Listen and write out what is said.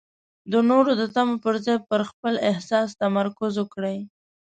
د نورو د تمو پر ځای پر خپل احساس تمرکز وکړئ.